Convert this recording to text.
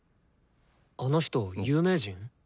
あの人有名人？